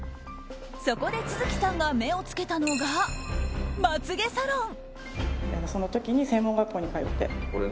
そこで、續さんが目を付けたのがまつ毛サロン。